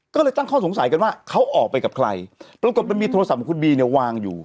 ก็เลยตั้งข้อสงสัยกันว่าเขาออกไปกับใครปรากฏมันมีโทรศัพท์ของคุณบีเนี่ยวางอยู่